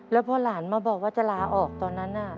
แล้วพอหลานมาบอกว่าจะลาออกตอนนั้น